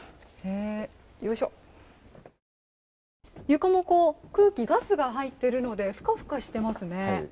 床も空気、ガスが入っているのでふかふかしていますね。